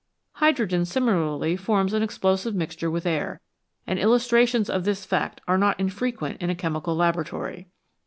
Hydrogen similarly forms an explosive mixture with air, and illustrations of this fact are not infrequent in a chemical laboratory.